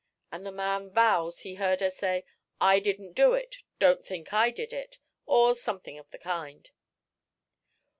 And the man vows he heard her say 'I didn't do it, don't think I did it,' or something of the kind."